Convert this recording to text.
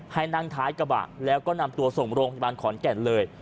ให้นั่งท้ายกระบะแล้วก็นำตัวส่งโรงพยาบาลขอนแก่นเลย